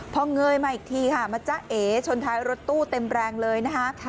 พอเงยมาอีกทีมันจะเอ๋ชนท้ายรถตู้เต็มแรงเลยนะครับ